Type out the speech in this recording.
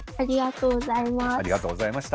ありがとうございます。